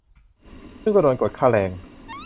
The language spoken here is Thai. ซึ่งก็โดนกดค่าแรง